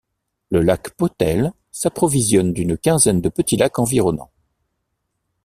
Le lac Potel s'approvisionne d'une quinzaine de petits lacs environnants.